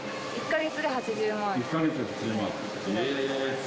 １か月で８０万。